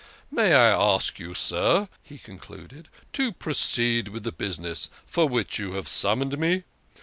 May I ask you, sir," he concluded, " to proceed with the business for which you have sum moned me?